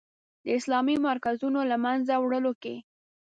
د اسلامي مرکزونو له منځه وړلو کې.